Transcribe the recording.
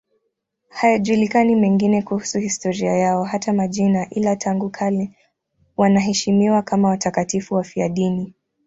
Hayajulikani mengine kuhusu historia yao, hata majina, ila tangu kale wanaheshimiwa kama watakatifu wafiadini.